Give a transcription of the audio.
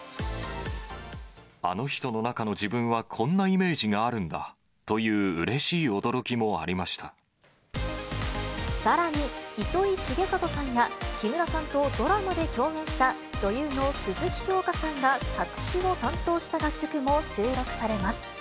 あの人の中の自分はこんなイメージがあるんだといううれしいさらに、糸井重里さんや木村さんとドラマで共演した、女優の鈴木京香さんが作詞を担当した楽曲も収録されます。